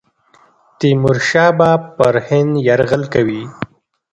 تیمورشاه به پر هند یرغل کوي.